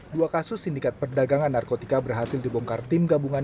dua kasus sindikat perdagangan narkotika berhasil dibongkar tim gabungan